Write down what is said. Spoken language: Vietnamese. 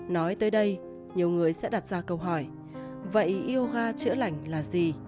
nói tới đây nhiều người sẽ đặt ra câu hỏi vậy yoga chữa lành là gì